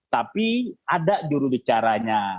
tapi ada jurudicaranya